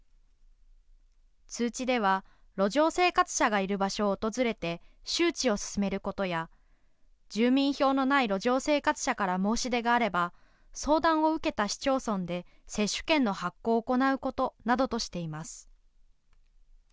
通知では、路上生活者がいる場所を訪れて、周知を進めることや、住民票のない路上生活者から申し出があれば、相談を受けた市町村で接種券の発行を行うことなどとしています。